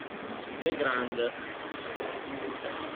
Le Grand